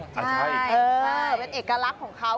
ใช่เป็นเอกลักษณ์ของเขา